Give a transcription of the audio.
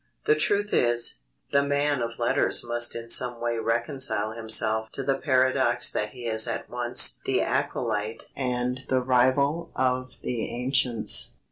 The truth is, the man of letters must in some way reconcile himself to the paradox that he is at once the acolyte and the rival of the ancients.